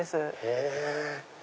へぇ。